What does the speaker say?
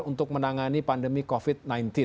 untuk menangani pandemi covid sembilan belas